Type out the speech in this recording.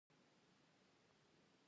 اوبو بوټي د اوبو لاندې ژوند کوي